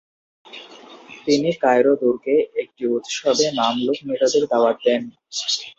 তিনি কায়রো দুর্গে একটি উৎসবে মামলুক নেতাদের দাওয়াত দেন।